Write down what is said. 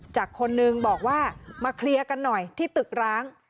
คนนึงบอกว่ามาเคลียร์กันหน่อยที่ตึกร้าง